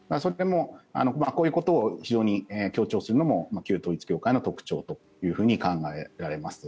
こういうことを非常に強調するのも旧統一教会の特徴と考えられます。